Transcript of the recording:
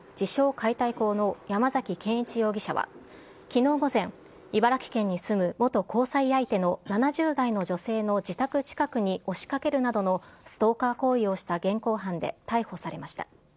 解体工の山崎健一容疑者はきのう午前、茨城県に住む元交際相手の７０代の女性の自宅近くに押しかけるなどのストーカー行為をした現行犯で逮捕されました。